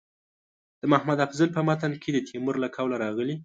د محمد افضل په متن کې د تیمور له قوله راغلي.